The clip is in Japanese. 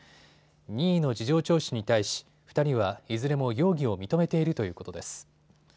任意の事情聴取に対し２人はいずれも容疑を認めているということです。